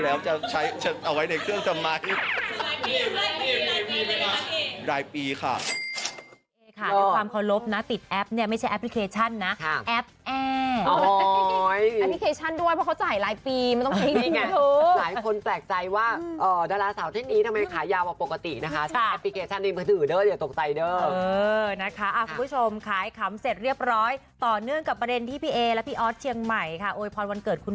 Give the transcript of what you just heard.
เอาไว้ในเครื่องทำไม